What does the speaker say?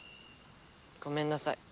ごめんなさい。